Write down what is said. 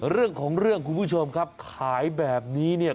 เรื่องของเรื่องคุณผู้ชมครับขายแบบนี้เนี่ย